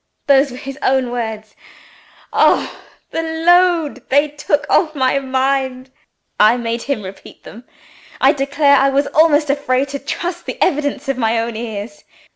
Those were his own words. Oh, the load that they took off my mind! I made him repeat them I declare I was almost afraid to trust the evidence of my own ears."